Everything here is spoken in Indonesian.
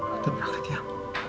mari pak silakan